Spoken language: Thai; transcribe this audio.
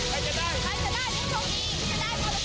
เมาะตระลาดของเดิมทักทือในริปราค